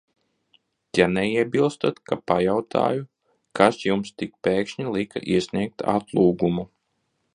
Ja neiebilstat, ka pajautāju, kas jums tik pēkšņi lika iesniegt atlūgumu?